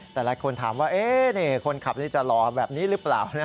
แต่หลายคนถามว่าคนขับนี่จะหล่อแบบนี้หรือเปล่า